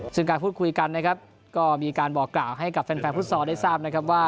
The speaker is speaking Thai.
ซึ่งการพูดคุยกันนะครับก็มีการบอกกล่าวให้กับแฟนฟุตซอลได้ทราบนะครับว่า